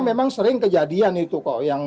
memang sering kejadian itu kok yang